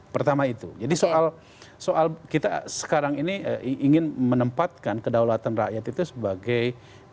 pertama itu jadi soal kita sekarang ini ingin menempatkan kedaulatan rakyat itu sebagai